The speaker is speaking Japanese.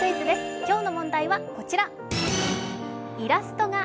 今日の問題はこちら。